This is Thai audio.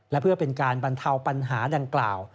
และเพื่อเป็นการบรรเทาปัญหาดังกล่าว